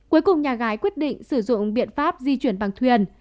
cuối cùng nhà gái quyết định sử dụng biện pháp di chuyển bằng thuyền